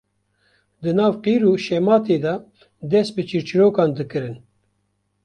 di nava qîr û şematê de dest bi çîrçîrokan dikirin